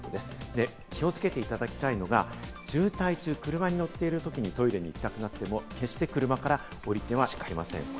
で、気をつけていただきたいのが渋滞中、車に乗ってる時にトイレに行きたくなっても、決して車から降りてはいけません。